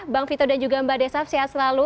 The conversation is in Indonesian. bang vito dan juga mbak desaf sehat selalu